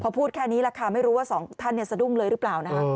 พอพูดแค่นี้แหละค่ะไม่รู้ว่าสองท่านสะดุ้งเลยหรือเปล่านะคะ